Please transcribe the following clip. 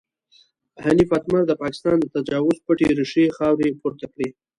حنیف اتمر د پاکستان د تجاوز پټې ریښې خاورې پورته کړې.